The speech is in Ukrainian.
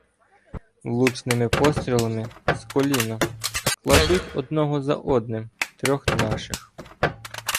Влучними пострілами "з коліна” кладуть одного за одним трьох наших.